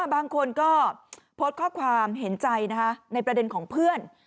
บางคนก็โพสต์ข้อความเห็นใจในประเด็นของเพื่อน